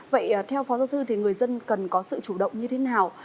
vậy theo phó giáo sư thì người dân cần có sự chủ động như thế nào